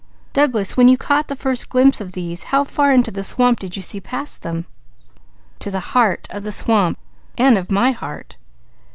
Douglas, when you caught the first glimpse of these, how far into the swamp did you see past them?" "To the heart of the swamp and of my heart."